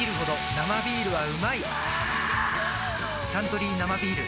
「サントリー生ビール」